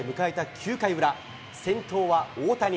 ９回裏、先頭は大谷。